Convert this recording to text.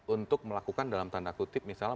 untuk melakukan dalam tanda kutip misalnya